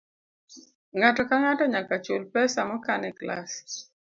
Ng'ato ka ng'ato nyaka chul pesa mokan e klas.